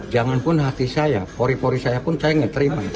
jangan pun hati saya pori pori saya pun saya nggak terima